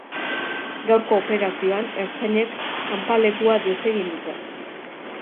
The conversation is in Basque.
Gaurko operazioan, ertzainek kanpalekua desegin dute.